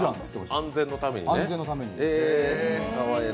安全のために。